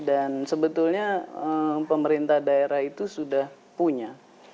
sebetulnya pemerintah daerah itu sudah punya